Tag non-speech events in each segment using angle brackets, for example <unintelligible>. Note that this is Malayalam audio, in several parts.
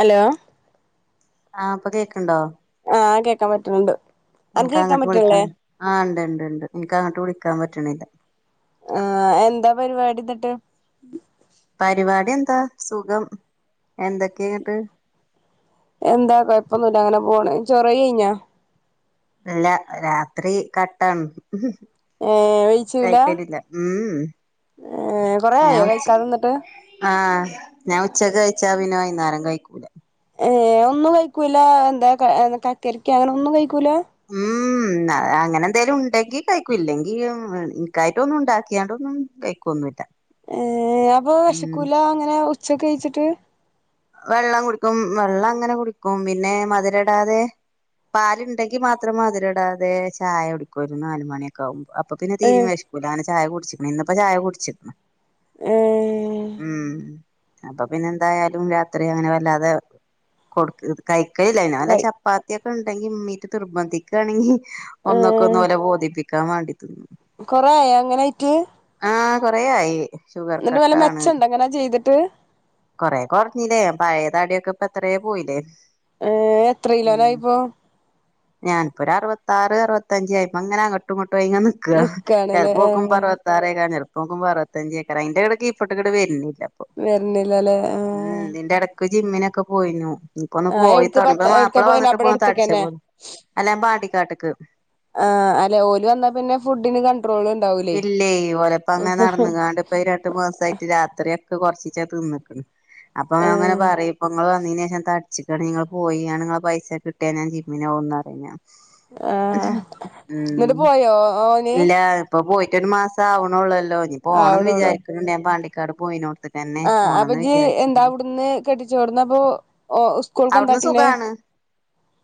ഹലോ ആ ഇപ്പൊ കേൾക്കണ്ടോ ആ കേക്കാൻ പറ്റുന്നുണ്ട്. അനക്ക് എനക്ക് കേക്കാൻ അങ്ങോട്ട് പറ്റണില്ലേ വിളിക്കാൻ ആഹ് ഇണ്ട് ഇണ്ട് ഇണ്ട് എനിക്ക്‌ അങ്ങോട്ട് വിളിക്കാൻ പറ്റണില്ല ആഹ് എന്താ പരിപാടി എന്നിട്ട് പരിപാടി എന്താ സുഖം എന്തൊക്കെയങ്ങട്ട് എന്താ കൊഴപ്പൊന്നല്ല അങ്ങനെ പോണ് ചോറ് കഴി കഴിഞ്ഞാ ഇല്ല രാത്രി കട്ടൺ ഏഹ് വെയിച്ചൂല കയിക്കലില്ല ഏഹ് കൊറേ ഞാൻ ആയോ ഉച്ച കഴിക്കാതെ നിന്നിട്ട് ആഹ് ഞാൻ ഉച്ചക്ക് കഴിച്ചാ പിന്നെ വൈകുനേരം കഴിക്കൂല ഏ ഒന്നും കഴിക്കൂല എന്താ കക്കരിക്ക അങ്ങനെ ഒന്നും കഴിക്കൂല ഉം അങ്ങനെ എന്തേലും ഉണ്ടെങ്കിൽ കഴിക്കൂ ഇല്ലെങ്കിൽ എനക്കായിട്ട് ഒന്നും ഉണ്ടാക്കിയാണ്ടൊന്നും- കഴിക്കുവൊന്നുമില്ല. ഏർ അപ്പൊ വിശക്കൂല അങ്ങനെ ഉച്ചക്കെ കഴിച്ചിട്ട് വെള്ളം കുടിക്കും വെള്ളം അങ്ങനെ കുടിക്കും പിന്നെ മധുര ഇടാതെ- പാലുണ്ടെങ്കി മാത്രം മധുരമിടാതെ ചായ കുടിക്കും ഒരു നല്ലമണിയൊക്കെ ആകുമ്പോ അപ്പൊ പിന്നെ തീരയും ഏഹ് വെശകുല അനെ ചായ കുടിച്ചിക്കണ ഇന്നപ്പ ചായ കുടിച്ചിക്കണ് ഏഹ് ഉം അപ്പൊ പിന്നെ എന്തായാലും- അ അങ്ങനെ വല്ലാതെ കൊടു കഴിക്കേയില്ല വല്ല കയി ചപ്പാത്തി- ഉണ്ടെങ്കി മമ്മീട്ട നിർബന്ധിക്കുകയാണെങ്കിൽ- ഒന്നൊക്കെ ഒന്ന് ഏഹ് പോലെ ബോധിപ്പിക്കാൻ വേണ്ടിന്നു കൊറേ ആയോ അങ്ങനായിട്ട് ആ- കൊറേ ആയി ഷുഗർ എന്നിട്ട് വല്ല കട്ടാണ് മെച്ചമുണ്ടോ അങ്ങനെ ചെയ്തിട്ട് കൊറേ കുറഞ്ഞില്ലേ പഴയ തടിയൊക്കെ ഇപ്പ ഇത്രേ പോയില്ലേ ഏ എത്ര കിലോനായിപ്പോ ഞാനിപ്പോ ഒരു അറുപത്താറ് അറുപത്തഞ്ച് ആയി അങ്ങനെ അങ്ങോട്ടും ഇങ്ങോട്ടും തേങ്ങി നിക്കുവാ നിക്കാണ്ല്ലേ ചിലപ്പോ നോക്കുമ്പോ ഏഹ് അറുപത്താറ് ചെല പ്പോ നോക്കുമ്പോ അറുപത്തഞ്ച് ഏക്കാറാം അതിന്റെ ഇടക്ക് കീഴ്പോട്ട് ഇങ്ങട്ട് വരുന്നില്ല ഇപ്പൊ വരുന്നില്ല ഉം ഇതിന്റെ ഇടക്ക് ജിമ്മിനൊക്കെ പോയിരുന്നു ഇപ്പൊ ഒന്ന് ആഹ് എവിട്ക്ക് പോയിത്തോ പത്ത ഇപ്പ എവിട്ക്കാ മാപ്പിള പോയിനെ വന്നിട്ട് ഇബടെ പോഓൻ അടുത്ത്ക്കന്നെ തടിച്ചക്കുന്നു അല്ല പാണ്ടിക്കാട്ടക്ക് ആ അല്ലെ ഓല് വന്നാ പിന്നെ ഫുഡിന് കണ്ട ഇല്ലേ ഒലെപ്പ അങ്ങനെ നടന്ന കാണ്ട് ഇപ്പൊ രണ്ട്മാസ ആയിട്ട് രാത്രി ഒക്കെ കുറച്ച് തിന്നക്കുന്നു അപ്പ നാങ്ങനെ ആഹ് പറിം ഇപ്പ നിങ്ങൾ അയിനൊ ശേഷം തടിച്ചിക്കാണ് നിങ്ങള് പോയിയാണ്ട് നിങ്ങളെ പൈസ കിട്ടിയാ ഞാൻ ജിമ്മിനെവുന്ന് പറിമ് ഞാൻ ആഹ് <unintelligible> ഉ ന്നിട്ട് പോയോ ഓന് ഇല്ല ഇപ്പ പോയിട്ട് ഒരു മാസം ആവണല്ലോ ഇനി പോകണം എന്ന് വിചാരിക്കുന്നുണ്ട് ഞാൻ പാണ്ടിക്കാട് പോയിനു ആ അപ്പച്ച് എന്താ അവിടുന്ന് കെട്ടിച്ചോടന്ന് അപ്പൊ ഒ അവിടുന്ന് സുഖാണ്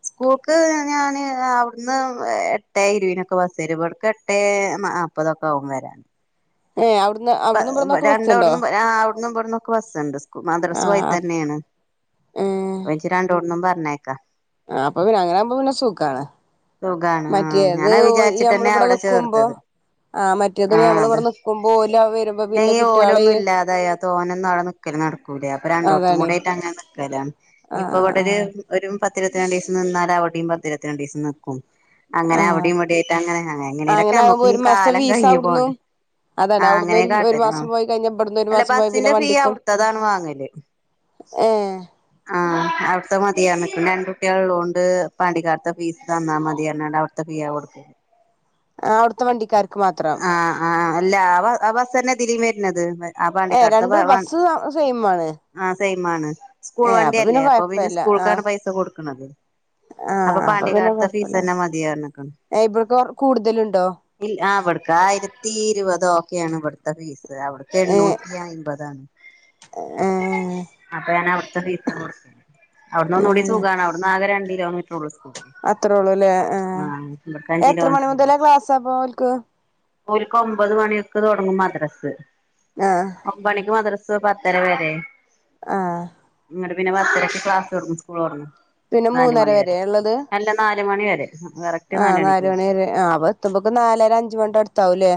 സ്കൂൾക്ക് ഞൻ അവിടുന്ന് എട്ടേ ഇരുപനൊക്കെ ബസ് വരും മ്പോടക്ക് എട്ടേ നപ്പതൊക്കെ ആവും വരന് <inaudible> ഏ അവി പ ഇബടെ രണ്ടതന്നും അവിന്നും ഇബന്നൊക്കെ ബസ്സുണ്ട് സ്ക്കു മദ്രാസും ആയി ആഹ് തന്നെയാണ് <inaudible> പ്പ ച്ച് രണ്ടോടന്നും പറഞ്ഞേക്കാ ആഅപ്പ പിന്നെ അങ്ങനെ ആകുമ്പോ പിന്നെ സുഖാണ് സുഖാണ് ആ മറ്റേത് ഞാനാ നമ്മള് വിചാരിച്ചിട്ട്ന്നെ ഇവിടെ അവിടെ നിക്കുമ്പോ ചേർത്തത് ആ മറ്റേത് ആഹ നമ്മള് അത ഇവിടെ നിക്കുമ്പോ ഓല് വരുമ്പോ പിന്നെ ഇല്ലെങ്ക കുട്ടികളെ ഓലൊന്നും ഇല്ലാതായ തോന ഒന്നും ആടെ നിക്ക നടക്കൂല അപ്പൊ രണ്ടോടത്തും അതാണ് കൂടിയട്ട് അങ്ങനെ നിക്കല ആ ഇനിയിപ്പോഇബടെ ആ ഒരു ഒരുപത് പത്തിരത്തി രണ്ട് ദിസം നിന്നാലൽ അവിടിം പത്തി രണ്ട് ദിസം നിക്കും ആ അങ്ങനെ അവിഡിം ഇവിടെക്കെ യായിട്ട് അങ്ങനെ എങ്ങനെലൊക്കെ അങ്ങനെ ആകുമ്പോ നമ്മുക്കും ഒരു മാസത്തെ കാലം ഫീസ് കഴിഞ്ഞു അവിടുന്നും പോണ്ടേ അതാണ് ആ അവിടുന്ന് അങ്ങനെ ഒരു ഒരു കാട്ടല് ആ മാസം പോയി കഴിഞ്ഞ ഇവിടുന്ന് ഒരു അല്ല മാസം പോയി പിന്നെ ബസിന്റെ ഫീ വണ്ടിക്കും അവിടുത്തതാണ് വാങ്ങല് ഏ ആ അവിടുത്തെ മതിപറണാകുന്നു രണ്ട് കുട്ടികൾ ലോണ്ട് പാണ്ടിക്കാർത്തെ ഫീസ് തന്നാ മതി പറഞ്ഞണ്ട് അവിടുത്തെ ഫിയാ കൊടുക്ക ആഅടുത്തെ വണ്ടിക്കാര് ആ ആ അല്ല അവ അബസ്സന്നെ ഇതിലിം വേർനാഥ്‌ അ ഏ പാണ്ടിക്കാടുത്തെ രണ്ട് ഭ ബസ്സ് സെയിം ആണ് അ സെയി ആണ് സ്കൂൾ ഏ വണ്ടില്ലേ അപ്പൊ പിന്നെ കൊഴപ്പല്ല ആ സ്കൂൾക്കാണ് പൈസ കൊടുക്കുന്നത് ആ അപ്പൊ പിന്നെ പാണ്ട്യകാലത്തെ ഫീസ് കൊഴപ്പല്ല തന്നെ മതിപറണാകുന്നു ഇവിടക്ക് കൂടുതലുണ്ടോ ഇല്ല ആവിടുക്ക ആയിരത്തി ഇരുപത് ഓക്കെയ ആണ് ഇവിടു ത്തെ ഫിസ് അവിടക് ഏ യെന്നുറ്റി അമ്പതാണ് ഏ അപ്പൊ ഞാൻ അവിടുത്തെ ഫീസ കൊടുത്തിന് അവിടുന്ന് ഒന്ന കൂടി സുഖമാണ് അവിടന്ന് ആകെ രണ്ട് കിലോമീറ്റർ ഒള്ളൂ സ്കൂൾക്ക് അത്രയള്ളൂ അല്ലേ ഏ ആഹ് ഇവിട്ക്ക് അഞ്ച് എത്ര മണി മുതലേ ക്ലാസ്സാപ്പ ഓല്ക്ക് ഓല്ക്ക് ഒമ്പത് മണിക്ക് തുടങ്ങും മദ്രസ് ആഹ് ഒമ്പ മണിക്ക് മദ്രസ് ക്ക് പത്തര വേറെ ആഹ ഇങ്ങണ്ട് പിന്നെ പത്തരക്ക് ക്ലാസ്സ്വർങ്ങും സ്കൂളോടങ്ങും പിന്നെ നാല് മൂന്നര മണിവരെ അല്ല നാല മണി വരെ കറക്റ്റ് ആ മണിക്ക് നാല് വിടും മണിരെ ആ എത്തുമ്പൊക്ക നാലര അഞ്ചുമണി അടുത്താവൂല്ലേ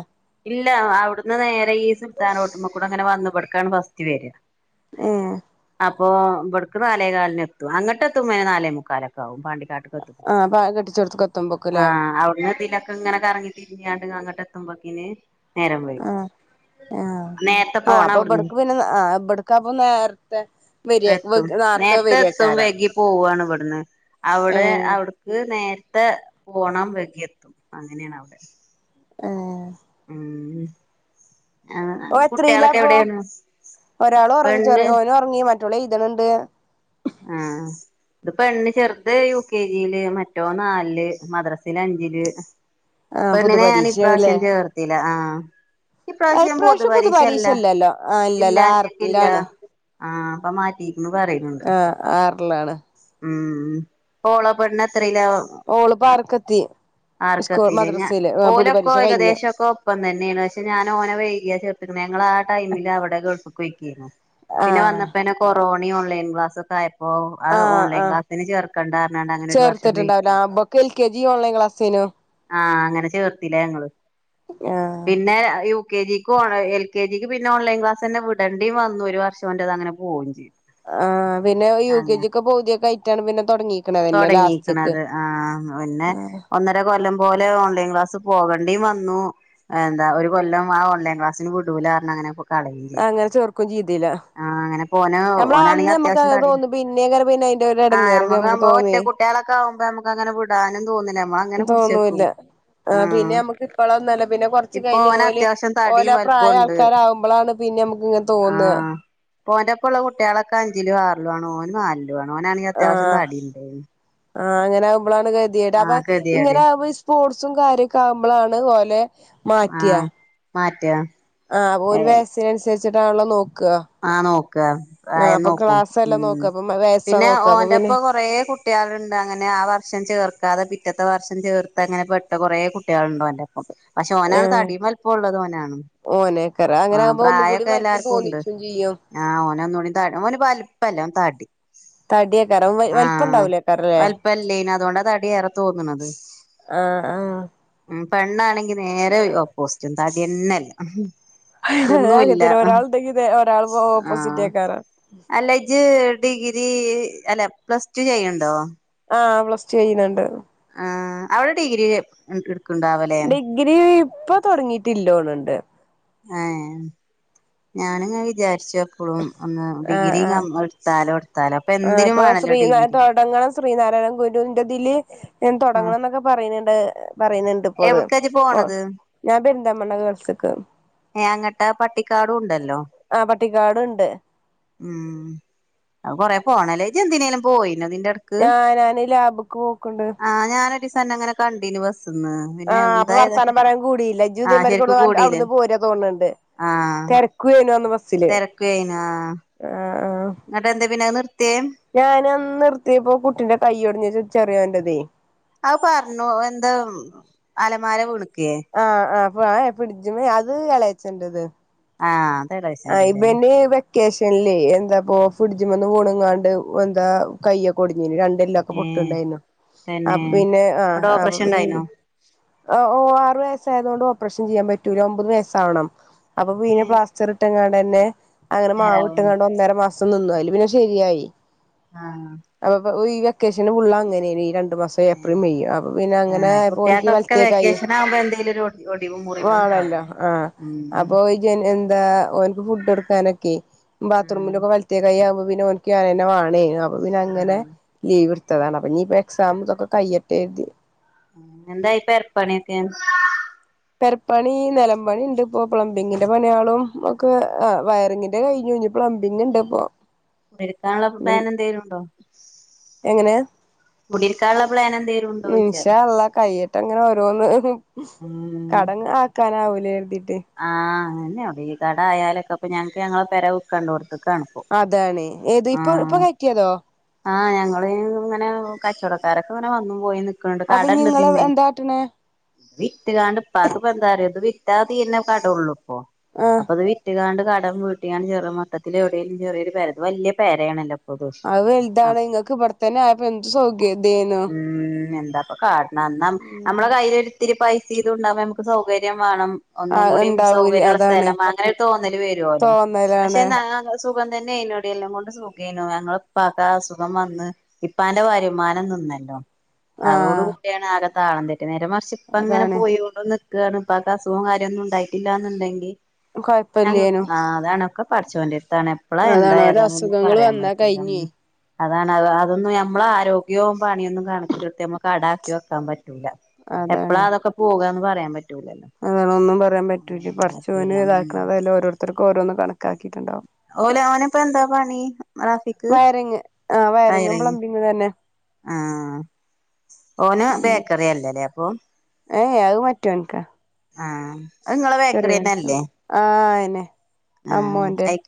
ഇല്ല അവിടുന്ന് നേരെ ഈ സുൽത്താൻ റൊട്ടിമാക്കൂടെ ങ്ങനെ വന്ന് ഇബടക്കണ് ഫസ്റ്റ് വര ഏ അപ്പൊ ഇവിടക്ക് നാലേ കാലി എത്തും അങ്ങട്ട എത്തുമ്പേ നാലേ മുക്കാലൊ ഒക്കെ ആവും പാ നാട്ട്ക്ക് എത്തും ആഹ് അപ്പ കെട്ടിച്ചോട്ത്ത്ക്ക് ആ എത്തുമ്പോക്ക്ല്ലേ അവിട്ന്ന് പിന്നെ ഇങ്ങനൊകറങ്ങി തിരിഞ്ഞാണ്ട് അങ്ങട്ട എത്തുമ്പോക്കിന് നേരം അ വൈകും നേരത്തെ ആ പോണം അപ്പൊ അവിടുന്ന് ഇബട്ക്ക് പിന്നെ ആ ഇബ കപ്പെ നേരത്തെ വരേ എത്തും നേർത്തെ നേരത്തെ എത്തും വരേക്കാരം വേഗി പോവാണ് ഇവിടുന്ന് അവിടെ ഏഹ് അവിക്ക് നേരത്തെ പോണം വകിയെത്തും അങ്ങനെയണ അവിടെ ഹെ ഉം ആഹ് ഓന് കുട്ടികളൊക്കെ എത്രറില്ലപ്പ എവിടെയാണ് ഒരാൾ ഉറങ്ങി ചെറിയ പെണ്ണ് ഓനും ഉറങ്ങി മറ്റ <unintelligible> ഏയ്തിനണ്ട് ആഹ് ഇത് പെണ്ണ് ചെറുത് യു കെ ജിയില് മറ്റവൻ നാലില് മദ്രസയില് അഞ്ചില് ആഹ് പെണ്ണിനെ ഞാൻ പൊതുപരീക്ഷേണ്ല്ലേ ഇപ്രാവശ്യം ചേർത്തില്ല ആഹ് ഇപ്രാവശ്യം ഞാൻ പൊതു പരീക്ഷ അല്ല ഇല്ലല്ലോ ആ ഇല്ല ഇല്ലല്ലോ ആ ഇല്ല ആറിലാണ് ആഹ് അപ്പൊ മാറ്റിയിരിക്കണ് പറയുന്നുണ്ട് ആ ആറിലാണ് ഉം ഇപ്പോ ഓളാ <unintelligible> ഓള് ആർക്കെത്തി സ്കൂൾ ആർക്കെത്തിയല്ലേ ഞ മദ്രസയില് പൊതു ഓലൊക്കെ പരീക്ഷ കഴിഞ്ഞു ഏകദേശവൊക്കെ ഒപ്പം തന്നെയാണ് പക്ഷെ ഞാന് ഓനെ വൈകിയാ ചേർത്തേക്കണേ ഞങ്ങള് ആ ടെമില് അവിടെ ഗൾഫിക്ക് പോയിക്കുവാരുന്നു ആ പിന്നെ വന്നപ്പോന് കൊറോ ണ ഓൺലൈൻ ക്ലാസൊക്കെ ആയപ്പോ ആ അത് ഓൺലൈൻ ആ ക്ലാസ്സിന് ചേർക്കണ്ടാന്ന് പറഞ്ഞ് അങ്ങനെ ഒരു വർഷം വെയിറ്റ് ചേർത്തിട്ടുണ്ടാവില്ല ചെയ്തു ഇബക്ക് എൽ കെ ജി ഓൺലൈൻ ക്ലാസ്സേനു ആഹ് അങ്ങനെ ചേർത്തില്ലേ ഞങ്ങള് ആ പിന്നെ യു കെ ജിക്ക് എൽ കെ ജിക്ക് പിന്നെ ഓൺലൈൻ ക്ലാസ് തന്നെ വിടേണ്ടിയും വന്നു ഒരു വർഷം അവന്റേത് അങ്ങനെ പോവുകയും ചെയിതു ആ പിന്നെ യു കെ ജി ഒക്കെ പകുതിയൊക്കെ ആയിട്ടാണ് പിന്നെ തുടങ്ങി തുടങ്ങീക്കണത് ആഹ് പിന്നെ ഒന്നര കൊല്ലം പോലെ ഓൺലൈൻ ക്ലാസ് പോകണ്ടീം വന്നു എന്താ ഒരു കൊല്ലം ആ ഓൺലൈൻ ക്ലാസിന് വിടുലാറഞ്ഞ് അങ്ങനെ കളയും ചെയ്തു അങ്ങനെ ചേർക്കും ചെയ്തീല്ല. ആഹ് അങ്ങനെ ഓന് ഞമ്മള ഓനാണെങ്കി അന്ന് അത്യാവശ്യം നമ്മക്കങ്ങനെ തടി തോന്നും പിന്നെ കറി പിന്നെ അതിന്റെ ഇടങ്ങേറ് ഞമ മ്പോ ഒറ്റ കുട്ടികളൊക്കെ ആകുമ്പോ നമുക്ക് അങ്ങനെ വിടാനും തോന്നില്ല നമ്മള അങ്ങനെ പിടിച്ചെക്കും. ആഹ് പിന്നെ നമ്മുക്ക് ഇപ്പളൊന്നു അല്ല പിന്നെ കൊറച്ച് ഇപ്പൊ കഴിഞ്ഞ ഓന് ഓല് അത്യാവശ്യം തടിയും ഓലാ വലിപ്പവും പ്രായ ഉണ്ട് ആൾക്കാരാവുമ്പോളാണ് പി പിന്നെ നമക്ക് ഇങ്ങനെ തോന്ന. പോന്റെപ്പ ഉള്ള കുട്ടികളൊക്കെ അഞ്ചിലും ആറിലുമാണ് ഓന് നാലിലുമാണ് ഓനാണെങ്കിൽ അത്യാവശ്യം ആഹ് തടി ഉണ്ടേയിന്. ആഹ് അങ്ങനെ പ്പളാണ് കതിയെട അപ്പ കെതിയേട് ഇങ്ങനെ ആകുമ്പോ സ്പോർട്സും കാര്യൊക്കെ ആവുമ്പോളാണ് ഓലെ മാറ്റിയ മാറ്റുക. ആഹ് ഒരു വയസിനനുസരിച്ചിട്ടാണല്ലോ നോ ആഹ് നോക്ക പ്രായം നോക്കും ക്ലാസ്സല്ല ഉം. നോക്കാ അപ്പൊ വയസ്സാ പിന്നെ നോക്കാ അപ്പൊ പിന്നെ ഓന്റൊപ്പം കൊറേ കുട്ടികളുണ്ട് അങ്ങനെ ആ വർഷം ചേർക്കാതെ പി റ്റത്തെ വർഷം ചേർത്ത അങ്ങനെ പെട്ട കുറെ കുട്ടികളുണ്ടോന്റൊപ്പം. പക്ഷെ ഓനാണ് ഏഹ് തടിയും വൽപ്പോം ഉള്ളത് ഓനാണ് ഓനേക്കാരം അങ്ങനെ ആഹ് ആകുമ്പോ ഒന്നും കൂടി പ്രായൊക്കെ വലിപ്പം എല്ലാർക്കും ഉണ്ട്. തോന്നിച്ചും ചെയ്യും ആഹ് ഓനന്നോടി ത ഓന് വലിപ്പല്ല ഓൻ തടി തടിയേക്കാരം വ ആഹ് വലിപ്പണ്ടാവൂലേക്കാരല്ലേ വലിപ്പല്ല്യേന് അതുകൊണ്ടാ തടി ഏറെ തോന്നണത്. ആഹ് ആഹ് പെണ്ണാണെങ്കി നേരെ ഓപോസ്റ്റ് തടിയന്നെല്ല. അത് അങ്ങനെതന്നെ ഒരാളെണ്ടെങ്കി ഇതേ ഒരാൾ ആഹ് ഓപ്പോസിറ്റേക്കാരം അല്ല ഇജ് ഡിഗ്രി അല്ല പ്ലസ് ടു ചെയ്യണ്ടോ? ആഹ് പ്ലസ് ടു ചെയ്യുന്നുണ്ട്. ആഹ് അവൾ ഡിഗ്രി മ് എടു ഡിഗ്രി ഇപ്പ തൊടങ്ങീട്ടില്ലോൺണ്ട് ഏഹ് ഞാന്ങ്ങനെ വിചാരിച്ചു എപ്പളും ഒന്ന് ആഹ് ഡിഗ്രി ആഹ് കം ഇട്ത്താലോ ഇട്ത്താലോ ഇപ്പെന്തിനു വാണല്ലോ ഡിഗ്രി ശ്രീനാരായണൻ ഗുരുവിന്റെതില് എന് ആഹ് തൊടങ്ങണന്നൊക്കെ പറിയ്ന്ന്ണ്ട് പറിയ്ന്ന്ണ്ട് ഇപ്പോ അത് എവിടക്കാ ഇജ്ജ് ഓഹ് പോണത് ഞാൻ പെരിന്തൽമണ്ണ ഗേൾസ്ക്ക് ഏഹ് അങ്ങട്ടാ പട്ടിക്കാടുണ്ട ല്ലോ ആഹ് പട്ടിക്കാട്ണ്ട് ഉം അഹ് കൊറെ പോണെലേ ജ്ജ്ന്തിനേലും പോയിനൊ ഇതിന്റെ എടക്ക് ആഹ് ഞാന് ലാബ്ക്ക് പോക്ക്ണ്ട് ആഹ് ഞാനൊരീസ അന്നങ്ങനെ കണ്ടിനു ബസ് ആഹ് അപ്പൊ വർത്താനം പറയാൻ കൂടിയില്ല ആഹ് ജുതെമാർക്ക് ശരിക്കും എവ്ടു അവിടുന്ന് കൂടിയില്ലല്ലോ പോരാ തോന്ണ്ട് തിരക്കനു ബ തെരക്കായിനൊ? ആ ആ ആ ഞാനന്ന് നിർത്തിയപ്പോ കുട്ടിന്റെ കയ്യോടിഞ്ഞ് ചെറിയോണ്ടതേ അങ് പറഞ്ഞു എന്താ അലമാര വിണു ആഹ് ആപ്പോ ഫിഡ്ജ്മ്മെ അത് എളയച്ചന്റത്. ആഹ ആഹ് ഇപൻ വെക്കേഷനല്ലേ എന്താപ്പോ ഫുഡ്ജ്മന്ന് വിണക്കാണ്ട്. എന്താ കയൊകൊടുഞ്ഞിനി രണ്ട് എല്ലക്കെ ഏഹ് പൊട്ടുണ്ടായിരുന്നു. അ തന്നെ പിന്നെ ആ അവിടെ അപ്പൊ ഓപ്പറേഷൻ പി ഉണ്ടായിനോ ഓ ആറു വയസായയതുകൊണ്ട് ഓപ്പറേഷൻ ചെയ്യാൻ പറ്റൂല. ഒമ്പത് വയസാവണം അപ്പൊ പിന്നെ ഏഹ് പസ ങ്ങാന്നെ അങ്ങനെ നേരാവോണ്ട് മാവട്ടുംങ്ങാണ്ട് ഒന്നര മാസം നിന്നു. അയ്ല് പിന്നെ ശരിയായി. ആഹ അപ്പൊ ഈ വെക്കേഷന് ഫുള്ളങ്ങനെ രണ്ട് രണ്ട് മാസം ഏപ്രിൽ ഏഹ് മെയ് അപ്പൊ പിന്നെ അങ്ങനെ ആഹ് പോ അവൻക്ക് കുട്ടികൾക്കൊക്കെ വലത്തേ കഴിയും വെക്കേഷൻ ആകുമ്പോ എന്തേലും ഒരു ഒടി ഒടിവും മുറിവും ല്ലോ ഉണ്ടാവും ആ ഉം അപ്പോ ഈ ജനു <unintelligible> ഫുഡ് എടുക്കാനൊക്കെ ആഹ് ബാത്റൂമിലൊക്കെ വലത്തെ കൈഅവുബോ പിന്നെ ഓൻക് ഞാൻ തന്നെ വാണേ അപ്പൊ പിന്നെ അങ്ങനെ ആഹ് ലീവട് ടുത്തതാണ് അപ്പൊ നീ ഇപ്പൊ എക്സാംക്കെ കയ്യട്ടെരുതി എന്തായി പെരപ്പണിക്കെ? പെരപ്പണി നിലം പണി ഉണ്ട് ഇപ്പോ പ്ലംബിങ്ങിന്റെ പണിയാളും ഒക്കെ ആ വയറിങ്ങിന്റെ കഴിഞ്ഞുഴിഞ്ഞു. പ്ലംബിങ് ഉണ്ട്. ഇപ്പൊ കുടിരിക്കാനുള്ള പ്ലൻ എന്തേലും ഉണ്ടോ? എങ്ങനെ കുട്ടിരിക്കാനുള്ള ഇൻഷാഅള്ളാ കൈയ്യട്ടെ അങ്ങനെ ഒരോ രോന്ന് ഉം കടങ്ങ് ആക്കാനാവൂല എരുതിട്ട്. ആ അതന്നെയെടി ഈ കട ആയാലൊക്കെ അപ്പോ ഞങ്ങക്ക് ഞങ്ങെ പെര വിൽക്കാണ്ട അതാണ് ഏത് ഇപ്പൊ ഇപ്പൊ കയറ്റിയതോ? ആഹ് ഞങ്ങള് ഇങ്ങനെ കച്ചവടക്കാരൊക്കെ ഇങ്ങനെ വന്നും പോയി ക്ക്ണ്ട് അപ്പൊ നിങ്ങള് കടണ്ട്തിമ്മേ എന്താട്ടണേ വിട്ട കാണ്ട് ഇപ്പാക്ക് ഇപ്പോ എന്താറ ഇത് വിറ്റാ തീന്നെ കടള്ളൂ ഇപ്പോ ആഹ് അപ്പൊ അത് വിട്ട കാണ്ട് കടം വീട്ടിയാണ് ചെറുമട്ടത്തിൽ എവിടെങ്കിലും ചെറിയരു പര വലിയ പേരയാണല്ലോപ്പൊ അത് വലുതാണ് നിങ്ങക്ക് ഇവിടെത്തന്നെ ആയപ്പോ എന്ത് സൗകരേയ്നു എന്താപ്പൊ കാട്ട്ണ് എന്നാ നമ്മളുടെ കയ്യിൽ ഒരിത്തിരി പൈസ ഇത് ഉണ്ടാവമ്പോ നമുക്ക് സൗകര്യം വേണം. ഒന്നും ആഹ് കൂടി ഉണ്ടാവൂല സൗകര്യമുള്ള അതാണ് സ്ഥലം അങ്ങനെ തോന്നല് വരുവല്ലോ തോന്നലാണ് പക്ഷെന്തന്നോ സുഖം തന്നെ ഹായ് നടി എല്ലാം കൊണ്ട് സുഖേന്, ഞങ്ങളിപ്പ അസുഖം വന്ന് ഇപ്പാന്റെ വരുമാനം നിന്നല്ലോ അതോട് ആഹ് കൂടിയാണ് ആക ആ. നേരെമറിച്ചു ഇപ്പ അങ്ങനെ അതാണ് പോയികൊണ്ടന്നു നിക്കുകയാണ് ഇപ്പാക്ക് അസുഖോം കാര്യമൊന്നും ഉണ്ടായിട്ടില്ലന്നുണ്ടെങ്കിൽ ഞങ്ങൾ കൊഴപ്പില്ലേനു ആ അതാണൊക്കെ പടച്ചോന്റെ അതാണ്, എപ്പളാ അതാണ് ഓരോ എന്താഏതാന്നൊന്നും അസുഖങ്ങൾ പറയാൻ വന്നാ പറ്റുല്ല. കഴിഞ്ഞേ അതാണ്, അ അതൊന്നും ഞമ്മളെ ആരോഗ്യവും പണിയൊന്നും കണക്കിലെടുത്ത ഞമ്മക്ക് കടാക്കി വെക്കാൻ പറ്റ റ്റില്ല അതാണ് എപ്പളാ അതൊക്കെ പോകാന്ന് പറയാൻ പറ്റൂലല്ലോ? അതൊന്നും പറയാൻ പറ്റൂല്ല ഉം പറ്റൂല പടച്ചോന് ഉം ഇതാക്കണ അയിലോരോരുത്തർക്കും ഓരോന്ന് കണക്കാക്കിട്ടുണ്ടാവും. ഓല അവന് പ്പോന്താ പണി റാഫിക്ക്? വയറിങ് ആഹ് വയറിങ്ങും വയറിംഗ് പ്ലംബിങ്ങും തന്നെ ആ. ഓന് ബേക്കറി അല്ലേല്ലേ അപ്പൊ ഏഹ് അത് മറ്റോൻക്കാ ആ അത് നിങ്ങളെ ചെറിയോൻക്കാ ബേക്കറിന്നെല്ലേ ആഹ് അയന്നെ ആ. അമ്മോന്റെ ഐഐ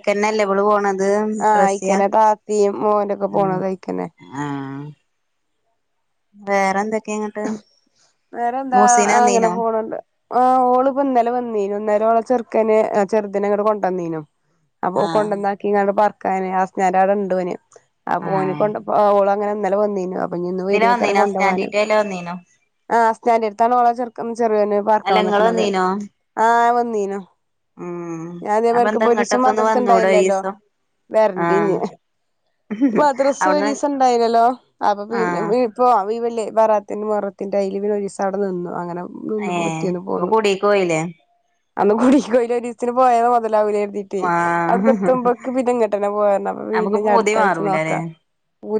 ക്കെന്നെല്ലേ ഇവള് പോണത്, റസിയ? ആത്തിയും മോന്റെ ഒക്കെ പോണ ഉം തയ്ക്കുന്നെ. വേറെന്തൊക്കെയ ഇങ്ങട്ട്? വേറെന്താ മൂസീന അങ്ങനെ വന്നീനോ പോണണ്ട്, ആ ഓള്പ്പോ ഇന്നലെ വന്നീന് അന്നേരോള ചെറുക്കനെ ചെറുതിനെ ഇങ്ങട്ട് കൊണ്ടന്നീനും അപ്പൊ ആഹ് കൊണ്ടുന്നാക്കി ഇങ്ങളോട് പർ <unintelligible> ആസ്മേടെ ഒണ്ടോന് അപ്പോനെ കൊണ്ട പ്പോ ഓളങ്ങനെന്നലെ വന്നീനു ഇനി ഇന്ന് ഇതില വരിയേക്കാരം വന്നീനാ, സ്റ്റാൻഡിറ്റേല് വന്നീനോ? സ്റ്റാൻഡിനു അടുത്താണ് ഓള ചെറുക്ക ചെറുകനെ പാർക്കാ അല്ല ഇങ്ങള് വന്നക്കണത് വന്നീനോ ആ വന്നീനോ. ഉം ഞ അതേ അപ്പൊ പേർക്ക് എന്താ ഒരീസം ഇങ്ങോട്ടൊക്കെ ഒന്ന് മദ്രസ വന്നൂടെ ഉണ്ടായില്ലല്ലോ ഒരീസം വേറെണ്ട് ഇഞ്. ആഹ് മദ്രസ അവിടുന്ന് ഒരീസ ഉണ്ടായില്ലല്ലോ അപ്പൊ പിന്നെ ആഹ് ഇപ്പോ ഈ ഇല്ലേ ബാറാത്തിന്റെ മുഹറത്തിന്റെ അയിൽ പിന്നെ ഒരീസംഅവിടെ നിന്നു അങ്ങനെ നിന്ന് ഏഹ് പിറ്റേന്നു അപ്പൊ പോന്നു. കുടീക്ക് പോയില്ലേ അന്ന് കുടിക്കോയിലോരീസന് പോയ അത് മുതലാവല എഴുതിട്ട് അവിടെക്ക ആഹ് എത്തുമ്പോക്ക് പിന്നെ ഇങ്ങട്ടനെ പോരണം. അപ്പൊ നമുക്ക് വീടിനിനി പൂതി അടുത്താഴ്ച്ച മാറൂലല്ലേ നോക്കാം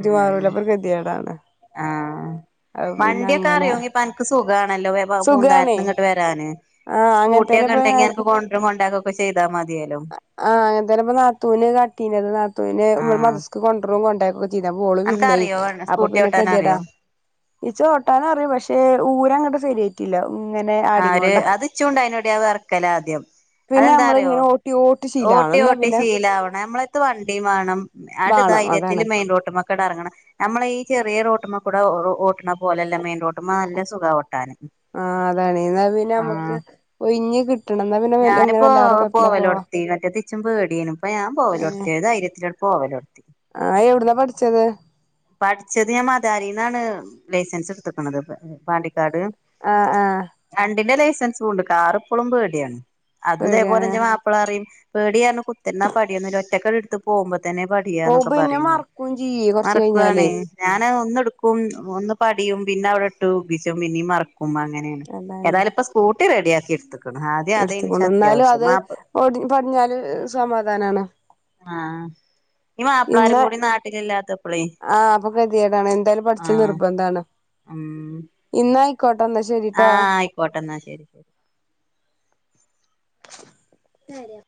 ഉം ഗതിയേടാണ് ആഹ് വണ്ടിയൊക്കെ അറിയോങ്കിപ്പ അനക്ക് സുഖാണല്ലോ സുഖാണേ പൂന്താനത്ത്ന്നിങ്ങോട്ട് വരാന് ആഹ് അങ്ങനത്തേനെ സ്കൂട്ടിയൊക്കെ ഇപ്പ ഉണ്ടെങ്കി അനക്ക് കൊണ്ടരേം കൊണ്ടാക്ക്വക്കെ ചെയ്താ മതി ആ അങ്ങനെതന്നപ്പം നാത്തൂന് കാട്ടീന്നത് നാത്തൂനെ വിടെ ആഹ് മദ്രസ്സക്ക് കൊണ്ടരും കൊണ്ടാക്കും. ഇതാ മോള് വിരുന്നോയി അനക്കറിയോ അപ്പൊ സ്കൂട്ടി പിന്നൊക്കെ ജ്ജ് ഏടാ? ഓട്ടാനറിയോ ഇച്ച ഓട്ടാന അറിയും പക്ഷെ ഊര അങ്ങോട്ട് ശരിയായിട്ടില്ല. ഇങ്ങനെ ആ ഒരു ആടിങ്ങോണ്ടാ അതിച്ചൂണ്ട അയിനോടെ ആ വറക്കല ആദ്യം അതെന്താറിയോ? ഈ ഓട്ടിച്ചി ഓട്ടി ഓട്ടി ശീലാവണം നമ്മളെത്ത് വണ്ടിയും വേണം അങ്ങടു വാണം അതാണ് ധൈര്യത്തില് മെയിൻ റോട്ടുമ്മേക്കെട് എറങ്ങണം. നമ്മള ഈ ചെറിയ റോട്ടുമ്മ കൂടെ ഓട്ടണ പോലല്ല മെയിൻ റോട്ടുമ്മേ നല്ല സുഖ ഓട്ടാന്. ആ അതാണ് എന്നാ പിന്നെ നമ്മുക്ക് ആഹ് ഒഴിഞ്‌ ഞാനിപ്പോ പോവാ പോവലോർത്തി മറ്റേത്തെച്ചും പേടിനു ഇപ്പ ഞാൻ പോവലോർത്തിയത് ധൈര്യത്തില് പോവലോർത്തി. ആ എവിടന്നാ പഠിച്ചത്? പഠിച്ചത് ഞാൻ മദാരിന്നാണ് ലൈസൻസ് എടുത്തക്കണുത്പ പാണ്ടി ആഹ് ആഹ് രണ്ടിന്റെ ലൈസൻസ്ണ്ട് കാറിപ്പഴും പേടിയാണ്. പേടിയാണ് അതുംതേപോലെന്റെ മാപ്പിളാറിയും പേടിയാണ് കുത്തിന്നാ പടിയൊന്നുംല്ലാ ഒറ്റക്കട് എടുത്ത് പോകുമ്പ തന്നെ പടിയാന്നൊക്കെ പോവുമ്പോ പിന്നെ പറയോ മറക്കും ചെയ്യേ കൊറച്ച് മറ ക്കാണെ കഴിഞ്ഞാലേ ഞാൻ ഒന്നെടുക്കും ഒന്ന് പടിയും പിന്നെ അവിടെ ഇട്ട് പിച്ചും പിന്നീ മറ ക്കും അങ്ങനെയാണ് ഏതാല ഇപ്പം സ്കൂട്ടി റെഡിയാക്കി എടുത്തു. എടുത്തക്കൊണ്ട് വന്നാലും അത് പ പടിഞ്ഞാല് സമാധാനാണ്. ആ ഈ മാപ്പിളാരും കൂടി നാട്ടിലില്ലാത്തപ്പളേ ആ അപ്പൊ ഗതിയേടാണ്, എന്താലും പഠിച്ച ആഹ് നിർബന്ധമാണ്. ഉം ക്കുവട്ടെന്ന ശരിട്ടാ. ആഹ് ആയിക്കോട്ടെ ഇന്നാ ശരി ശരി അരിയാ